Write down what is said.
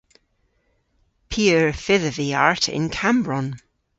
P'eur fydhav vy arta yn Kammbronn?